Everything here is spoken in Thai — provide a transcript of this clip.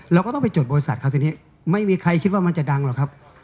เราก็ต้องไปจดบริษัทครับทีนี้ไม่มีใครคิดว่ามันจะดังหรอกครับ